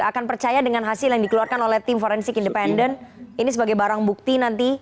akan percaya dengan hasil yang dikeluarkan oleh tim forensik independen ini sebagai barang bukti nanti